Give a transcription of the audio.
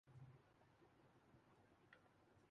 ہمارے اردگرد تو خیر سے